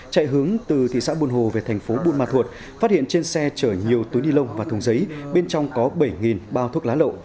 chạy hướng từ thị xã buôn hồ về thành phố buôn ma thuột phát hiện trên xe chở nhiều túi ni lông và thùng giấy bên trong có bảy bao thuốc lá lậu